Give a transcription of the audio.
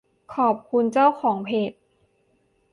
ขอบคุณเจ้าของเพจ